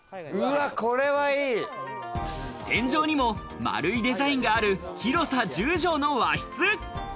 天井にも丸いデザインがある広さ１０帖の和室。